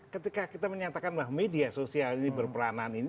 ketika kita menyatakan bahwa media sosial ini berperanan ini